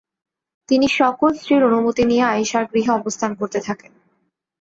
তিনি সকল স্ত্রীর অনুমতি নিয়ে আয়িশার গৃহে অবস্থান করতে থাকেন।